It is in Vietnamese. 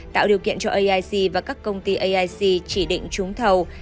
tạo điều kiện cho aic và các công ty aic chỉ định trúng thầu